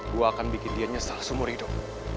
gue akan bikin dia nyesah seumur hidup